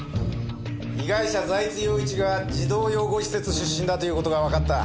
被害者財津陽一が児童養護施設出身だという事がわかった。